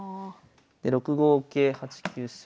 ６五桂８九飛車